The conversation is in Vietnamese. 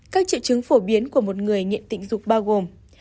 các triệu chứng phổ biến của một người nghiện tình dục bao gồm